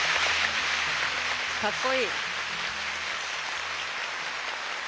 かっこいい！